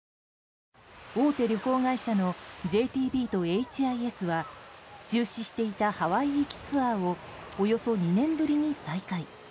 大手旅行会社のＪＴＢとＨＩＳは中止していたハワイ行きツアーをおよそ２年ぶりに再開。